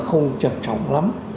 không chậm trọng lắm